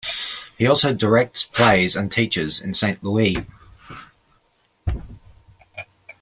He also directs plays and teaches in Saint Louis.